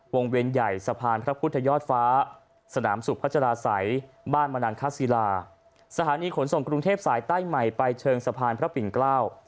เวียนใหญ่สะพานพระพุทธยอดฟ้าสนามสุขพัชราศัยบ้านมนังคศิลาสถานีขนส่งกรุงเทพสายใต้ใหม่ไปเชิงสะพานพระปิ่นเกล้า